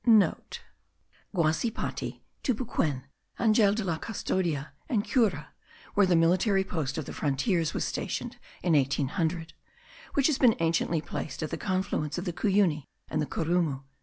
(* Guacipati, Tupuquen, Angel de la Custodia, and Cura, where the military post of the frontiers was stationed in 1800, which had been anciently placed at the confluence of the Cuyuni and the Curumu.)